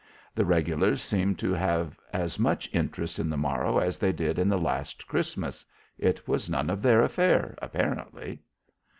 The regulars seemed to have as much interest in the morrow as they did in the last Christmas. It was none of their affair, apparently.